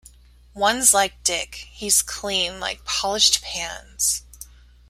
One's like Dick: he's clean like polished pans.